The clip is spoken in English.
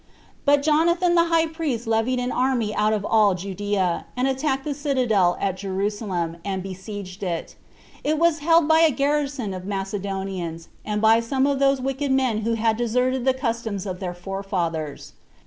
But Jonathan the high priest levied an army out of all Judea, and attacked the citadel at Jerusalem, and besieged it. It was held by a garrison of Macedonians, and by some of those wicked men who had deserted the customs of their forefathers.